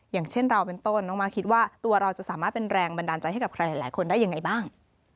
อย่างเช่นเราเป็นต้นน้องมาร์คคิดว่าตัวเราจะสามารถเป็นแรงบันดาลใจให้กับใครหลายคนได้ยังไงบ้าง